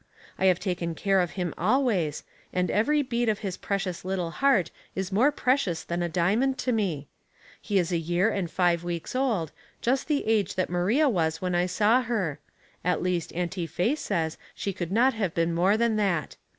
I have taken care of him always, and every beat of his precious little heart is more precious than a diamond to me. He is a year and five weeks old, just the age that Maria was when I !>aw her; at least Auntie Faye says she could not have been more than that.